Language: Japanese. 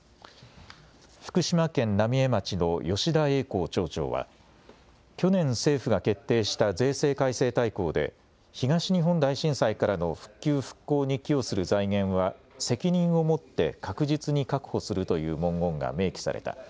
福島県浪江町の吉田栄光町長は、去年、政府が決定した税制改正大綱で東日本大震災からの復旧復興に寄与する財源は責任を持って確実に確保するという文言が明記された。